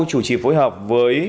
chủ trì phối hợp với